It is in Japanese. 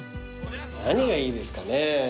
何がいいですかね。